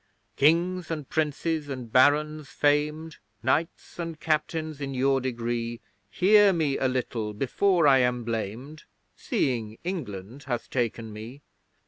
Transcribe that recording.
Kings and Princes and Barons famed, Knights and Captains in your degree; Hear me a little before I am blamed Seeing England hath taken me!